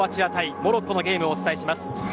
モロッコのゲームをお伝えします。